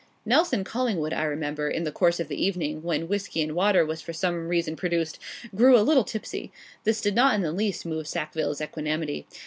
Nelson Collingwood, I remember, in the course of the evening, when whisky and water was for some reason produced, grew a little tipsy. This did not in the least move Sackville's equanimity.